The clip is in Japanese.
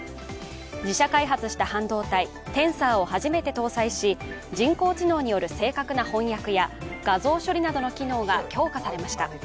自社開発した半導体テンサーを初めて搭載し人工知能による正確な翻訳や画像昨日などの処理が強化されました。